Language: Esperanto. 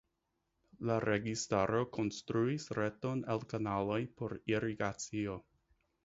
La registaro konstruis reton el kanaloj por irigacio.